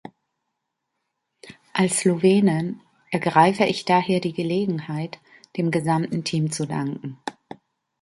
Als Slowenin ergreife ich daher die Gelegenheit, dem gesamten Team zu danken.